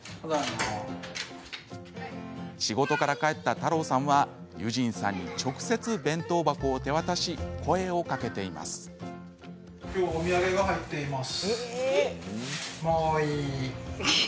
仕事から帰った太朗さんは結尋さんに直接弁当箱を手渡し声をかけています。